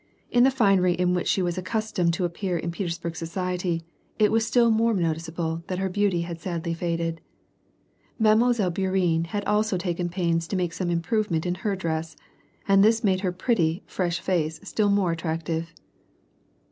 In the finery in which she was accustomed to appear in Petersburg society, it was still more noticeable that her beauty had sadly faded. Mile. Bourienne had also taken pains to make some improvement in her dress, and this made her pretty, fresh face still more attractive.